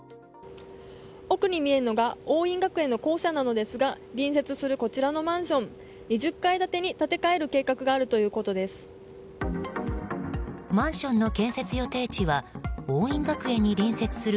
奥に見えるのが桜蔭学園の校舎なのですが隣接するこちらのマンション２０階建てに建て替える計画があるということです。